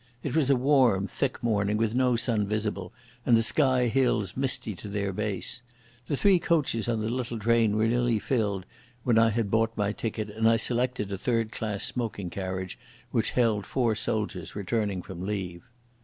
It was a warm, thick morning, with no sun visible, and the Skye hills misty to their base. The three coaches on the little train were nearly filled when I had bought my ticket, and I selected a third class smoking carriage which held four soldiers returning from leave.